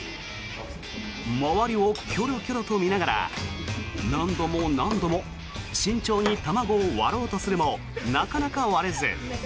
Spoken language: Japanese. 周りをキョロキョロと見ながら何度も何度も慎重に卵を割ろうとするもなかなか割れず。